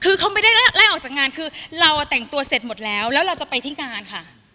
คือเขาไม่ได้ไล่ออกจากงานคือเราแต่งตัวเสร็จหมดแล้วแล้วเราจะไปที่งานค่ะ